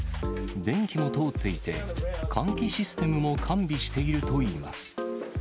電気も通っていて、換気システムも完備しているといいます。